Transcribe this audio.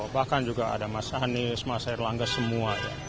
bahkan juga ada mas anies mas erlangga semua